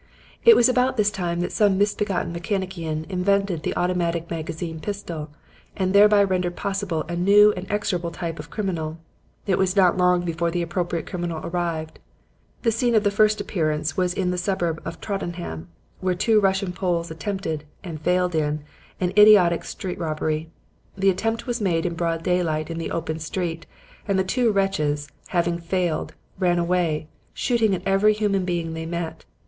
It was about this time that some misbegotten mechanician invented the automatic magazine pistol, and thereby rendered possible a new and execrable type of criminal. It was not long before the appropriate criminal arrived. The scene of the first appearance was the suburb of Tottenham, where two Russian Poles attempted, and failed in, an idiotic street robbery. The attempt was made in broad daylight in the open street, and the two wretches, having failed, ran away, shooting at every human being they met.